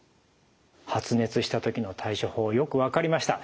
発熱した時の対処法よく分かりました。